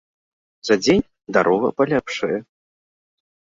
За дзень дарога палепшае.